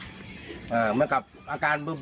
ก็เลยอยากให้หมอปลาเข้ามาช่วยหน่อยค่ะ